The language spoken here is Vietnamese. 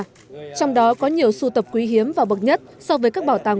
trong đó có nhiều sưu tập quý hiếm và bậc nhất so với các bảo tàng